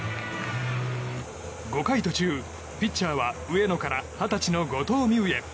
５回途中、ピッチャーは上野から二十歳の後藤希友へ。